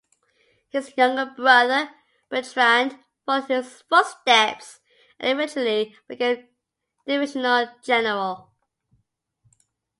His younger brother, Bertrand, followed in his footsteps and eventually became a divisional general.